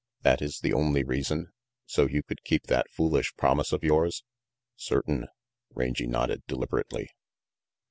"That is the only reason, so you could keep that foolish promise of yours?" "Certain," Rangy nodded deliberately.